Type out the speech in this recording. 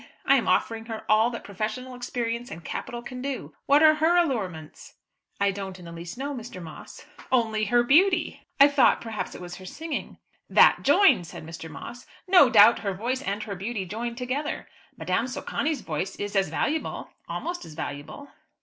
I am offering her all that professional experience and capital can do. What are her allurements?" "I don't in the least know, Mr. Moss." "Only her beauty." "I thought, perhaps it was her singing." "That joined," said Mr. Moss. "No doubt her voice and her beauty joined together. Madame Socani's voice is as valuable, almost as valuable."